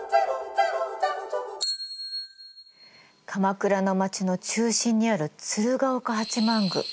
鎌倉の町の中心にある鶴岡八幡宮。